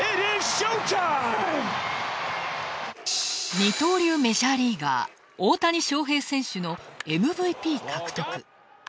二刀流メジャーリーガー、大谷翔平選手のＭＶＰ獲得。